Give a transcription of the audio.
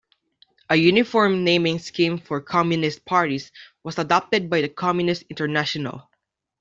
A uniform naming scheme for Communist parties was adopted by the Communist International.